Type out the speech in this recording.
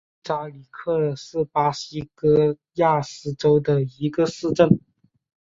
切扎里娜是巴西戈亚斯州的一个市镇。